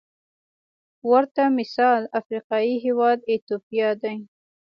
ورته مثال افریقايي هېواد ایتوپیا دی.